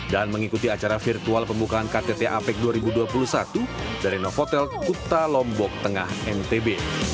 dan mengikuti acara virtual pembukaan ktt apec dua ribu dua puluh satu dari novotel kuta lombok tengah mtb